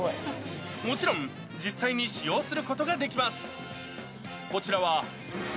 もちろん、実際に使用することができます。